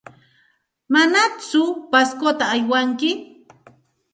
¿Manaku Pascota aywanki?